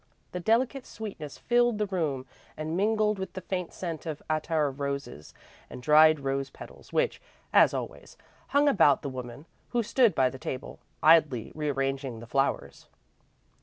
The delicate sweetness filled the room and mingled with the faint scent of attar of roses and dried rose petals which, as always, hung about the woman who stood by the table, idly rearranging the flowers.